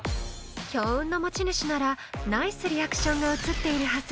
［強運の持ち主ならナイスリアクションが映っているはず］